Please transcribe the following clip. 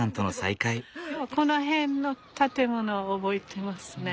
この辺の建物は覚えてますね。